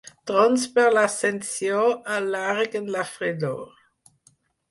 Trons per l'Ascensió allarguen la fredor.